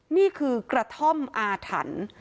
นี่คือกระท่อมอาถรรพ์